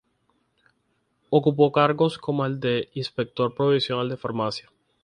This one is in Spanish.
Ocupó cargos como el de Inspector Provincial de Farmacia.